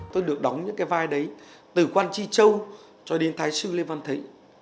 tôi được đóng những cái vai đấy từ quan chi châu cho đến thái sư lê văn thấy